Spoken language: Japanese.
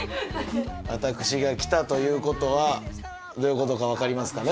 私が来たということはどういうことか分かりますかね。